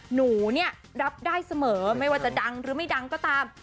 หนูเนี่ยรับได้เสมอไม่ว่าจะดังหรือไม่ดังก็ตาม